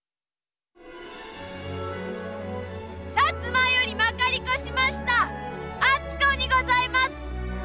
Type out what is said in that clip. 摩よりまかり越しました篤子にございます。